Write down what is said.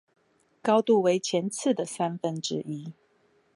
高度為前次的三分之一